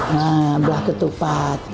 nah belah ketupat